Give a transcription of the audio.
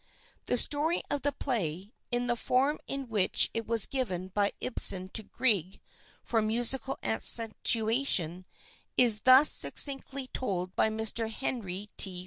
The story of the play, in the form in which it was given by Ibsen to Grieg for musical accentuation, is thus succinctly told by Mr. Henry T.